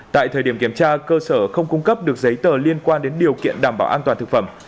tại thời điểm kiểm tra cơ sở không cung cấp được giấy tờ liên quan đến điều kiện đảm bảo an toàn thực phẩm